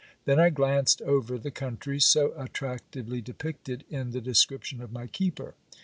Then I glanced over the country, so attractively depicted in the description of my keeper.